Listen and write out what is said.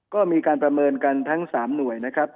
ก็มีการประเมินกันทั้ง๓หน่วยนะครับ